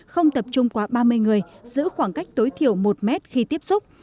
không tập trung quá ba mươi người giữ khoảng cách tối thiểu một mét khi tiếp xúc